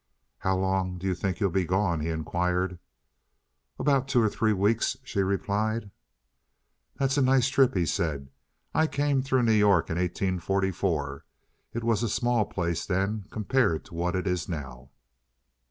"How long do you think you'll be gone?" he inquired. "About two or three weeks," she replied. "That's a nice trip," he said. "I came through New York in 1844. It was a small place then compared to what it is now."